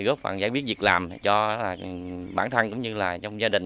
góp phần giải quyết việc làm cho bản thân cũng như là trong gia đình